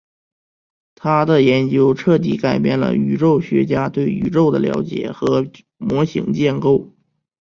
她的研究彻底改变了宇宙学家对宇宙的了解和模型建构。